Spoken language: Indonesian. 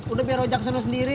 udah biar lo ajak ke sana sendiri